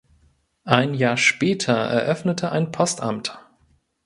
Ein Jahr später eröffnete ein Postamt.